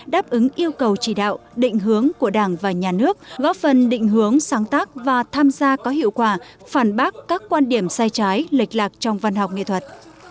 đáp ứng yêu cầu chỉ đạo định hướng của đảng và nhà nước góp phần định hướng sáng tác và tham gia có hiệu quả phản bác các quan điểm sai trái lệch lạc trong văn học nghệ thuật